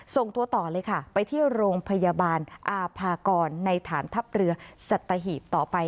ส่งตัวต่อเลยค่ะไปที่โรงพยาบาลอาภากรในฐานทัพเรือสัตหีบต่อไป